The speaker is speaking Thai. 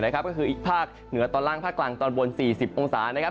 ก็คืออีกภาคเหนือตอนล่างภาคกลางตอนบน๔๐องศานะครับ